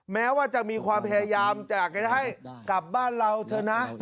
แม้ว่าจะมีความพยายามอยากจะให้กลับบ้านเราเถอะนะ